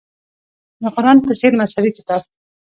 د قران په څېر مذهبي کتاب.